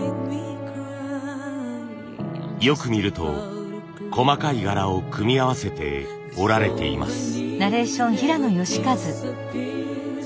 よく見ると細かい柄を組み合わせて織られています。